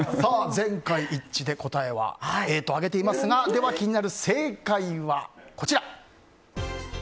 全会一致で答えはＡと上げていますがでは気になる正解はこちら。